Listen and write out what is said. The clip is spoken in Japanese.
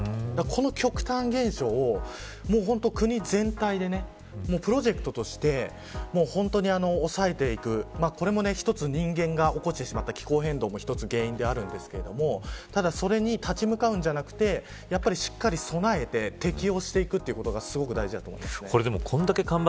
この極端現象を国全体でプロジェクトとして本当におさえていくこれも一つ人間が起こした気候変動の原因でもあるんですけどそれに立ち向かうんじゃなくてしっかり備えて適用していくことがすごく大事だと思います。